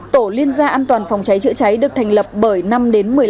tổ liên gia an toàn phòng cháy chữa cháy được thành lập bởi năm địa phương